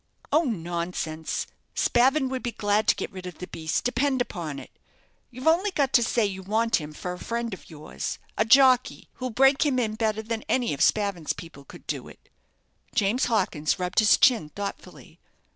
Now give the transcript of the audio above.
"Oh, nonsense; Spavin would be glad to get rid of the beast, depend upon it. You've only got to say you want him for a friend of yours, a jockey, who'll break him in better than any of Spavin's people could do it." James Hawkins rubbed his chin thoughtfully.